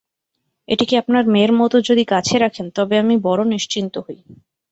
এটিকে আপনার মেয়ের মতো যদি কাছে রাখেন তবে আমি বড়ো নিশ্চিন্ত হই।